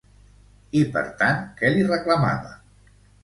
I, per tant, què li reclamava?